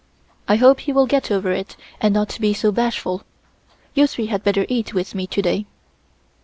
I hope he will get over it and not be so bashful. You three had better eat with me to day."